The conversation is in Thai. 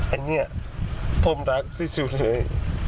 อันนี้ผมรักที่สุดเลย